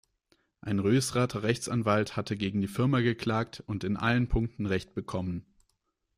Ein Rösrather Rechtsanwalt hatte gegen die Firma geklagt und in allen Punkten Recht bekommen.